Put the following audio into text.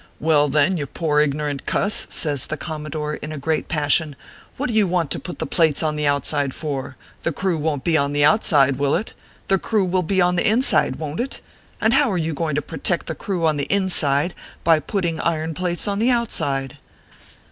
"Well, then, you poor ignorant cuss," says the commodore, in a great passion, " what do you want to put the plates on the outside for ? The crew won t be on the outside will it ? The crew will be on the inside won t it ? And how are you going to pro tect the crew on the inside by putting iron plates on the outside